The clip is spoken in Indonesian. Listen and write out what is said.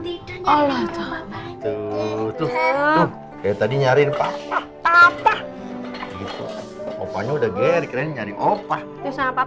hai allah tuhan tuh tuh tuh kayak tadi nyariin papa papa opahnya udah gede keren nyari opah opah